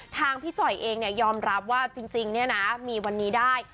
ทางพี่จ่อยเองยอมรับว่าจริงเนี่ยนะมีวันนี้ได้